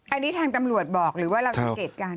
อันนี้ทางตำรวจบอกหรือว่าเราสังเกตการณ์